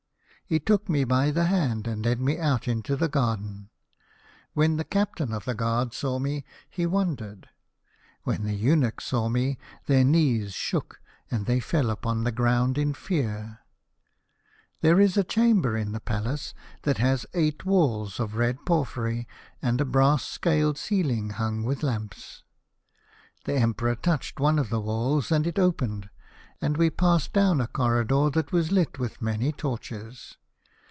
" He took me by the hand, and led me out into the garden. When the captain of the guard saw me, he wondered. When the eunuchs saw me, their knees shook and they fell upon the ground in fear. " There is a chamber in the palace that has eight walls of red porphyry, and a brass scaled ceiling hung with lamps. The Emperor touched one of the walls and it opened, and we passed down a corridor that was lit with many torches.